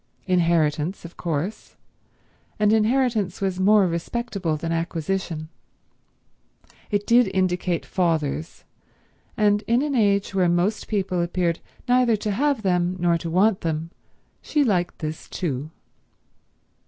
Inheritance, of course; and inheritance was more respectable than acquisition. It did indicate fathers; and in an age where most people appeared neither to have them nor to want them she liked this too.